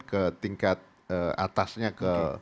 ketingkat atasnya ke